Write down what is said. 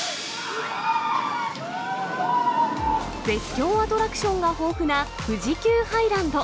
絶叫アトラクションが豊富な富士急ハイランド。